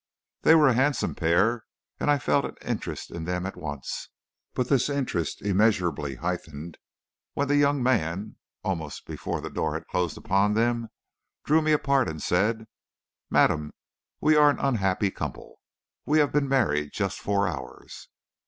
"They were a handsome pair, and I felt an interest in them at once. But this interest immeasurably heightened when the young man, almost before the door had closed upon them, drew me apart and said: 'Madame, we are an unhappy couple. We have been married just four hours.'"